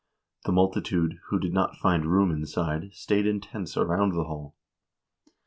The multitude, who did not find room inside, stayed in tents around the hall."